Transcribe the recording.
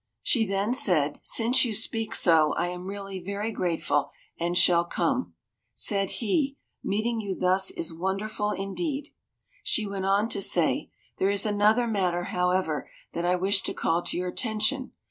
She then said, "Since you speak so, I am really very grateful, and shall come." Said he, "Meeting you thus is wonderful indeed." She went on to say, "There is another matter, however, that I wish to call to your attention.